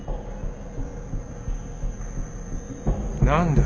何だ？